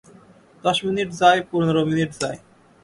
দশ মিনিট যায়, পনেরো মিনিট যায়।